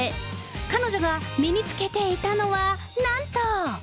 彼女が身につけていたのは、なんと。